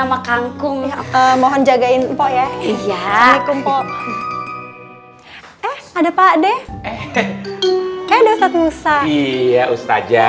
pak kangkung mohon jagain po ya iya aku po eh ada pak deh eh eh ustadz musa iya ustazah